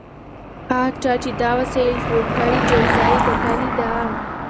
هغه چا چې دا وسایل جوړ کړي جایزه یې ګټلې ده.